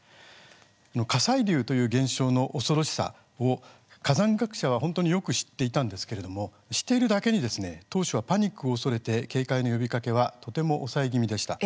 火砕流という現象の恐ろしさを火山学者は本当によく知っていたんですけれども知っているだけに当初はパニックを恐れて警戒の呼びかけはとても抑え気味でした。